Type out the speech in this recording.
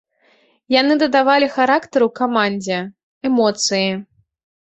Яны дадавалі характару камандзе, эмоцыі.